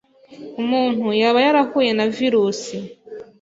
umuntu yaba yarahuye na virus